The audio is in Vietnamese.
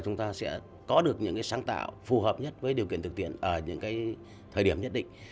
chúng ta sẽ có được những sáng tạo phù hợp nhất với điều kiện thực tiễn ở những thời điểm nhất định